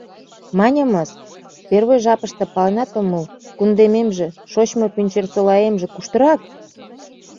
Маньымыс, первой жапыште паленат омыл: кундемемже, шочмо Пӱнчерсолаэмже куштырак?